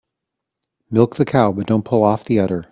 Milk the cow but don't pull off the udder.